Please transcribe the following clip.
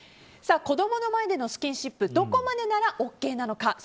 子供の前でのスキンシップどこまでならＯＫなのか。